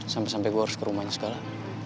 sampe sampe gua harus ke rumahnya segala